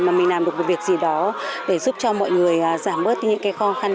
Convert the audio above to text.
mà mình làm được một việc gì đó để giúp cho mọi người giảm bớt những cái khó khăn